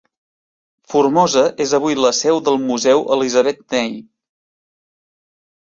Formosa és avui la seu del Museu Elisabet Ney.